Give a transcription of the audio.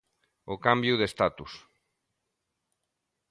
O cambio de status.